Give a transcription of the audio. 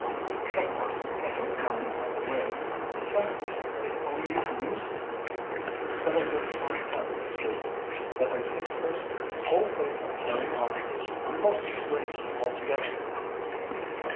Of course, I don't mind either way in fact, it only amuses me but I don't mind telling you, Gracie, that I think her whole way of carrying on is most strange altogether."